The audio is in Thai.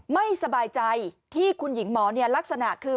ไม่สบายใจที่คุณหญิงหมอลักษณะคือ